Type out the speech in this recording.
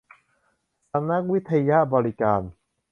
สำนักวิทยบริการ